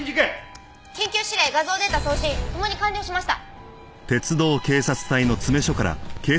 緊急指令画像データ送信共に完了しました。